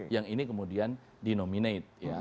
yang ini kemudian dinominate